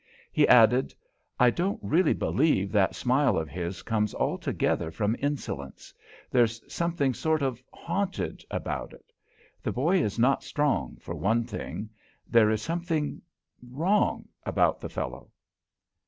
He added: "I don't really believe that smile of his comes altogether from insolence; there's something sort of haunted about it. The boy is not strong, for one thing. There is something wrong about the fellow."